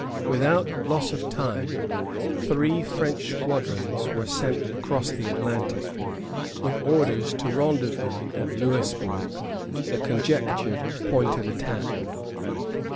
Without loss of time three French squadrons were sent across the Atlantic, with orders to rendezvous at Louisbourg, the conjectured point of attack.